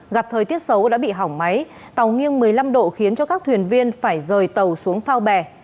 gặp thời tiết xấu đã bị hỏng máy tàu nghiêng một mươi năm độ khiến cho các thuyền viên phải rời tàu xuống phao bè